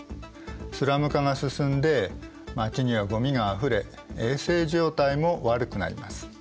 スラム化が進んで街にはゴミがあふれ衛生状態も悪くなります。